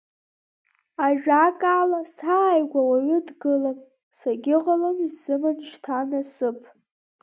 Ажәакала, сааигәа уаҩы дгылам, сагьыҟалом исыман шьҭа насыԥ.